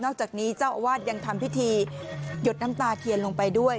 จากนี้เจ้าอาวาสยังทำพิธีหยดน้ำตาเทียนลงไปด้วย